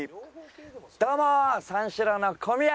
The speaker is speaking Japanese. どうも三四郎の小宮です！